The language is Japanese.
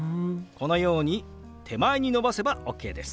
このように手前に伸ばせばＯＫです。